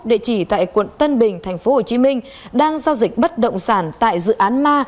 địa chỉ tại quận tân bình tp hcm đang giao dịch bất động sản tại dự án ma